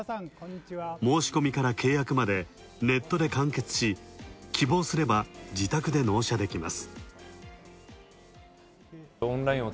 申し込みから契約までネットで完結し希望すれば、自宅で納車できます。